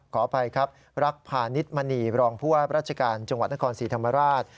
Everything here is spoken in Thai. ขออภัยครับรักพาณิชมณีรองผู้ว่าราชการจังหวัดนครศรีธรรมราช